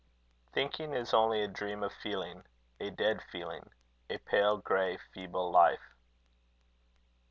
Thinking is only a dream of feeling; a dead feeling; a pale grey, feeble life.